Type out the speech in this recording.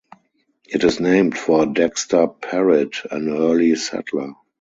It is named for Dexter Parritt, an early settler.